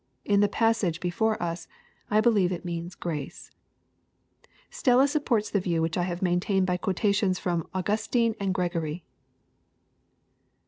In the passage before us, I believe it means " grace." Stella supports the view which I have maintained by quotations from Augustine and Gregory.